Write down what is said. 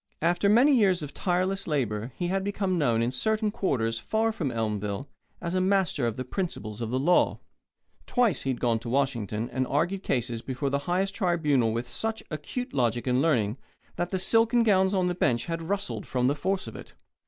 After many years of tireless labour he had become known in certain quarters far from Elmville as a master of the principles of the law. Twice he had gone to Washington and argued cases before the highest tribunal with such acute logic and learning that the silken gowns on the bench had rustled from the force of it.